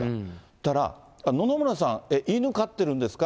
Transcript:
したら、野々村さん、犬飼ってるんですか？